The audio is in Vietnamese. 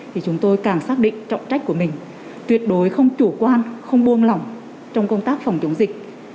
thì chúng tôi càng xác định trọng trách của mình tuyệt đối không chủ quan không buông lỏng trong công tác phòng chống dịch